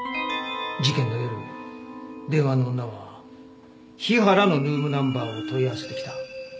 事件の夜電話の女は日原のルームナンバーを問い合わせてきた。